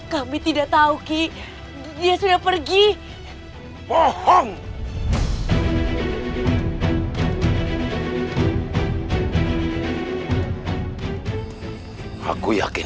kamu ini adalah suatu sumin yang sudah terkonsumsi dengan orang lain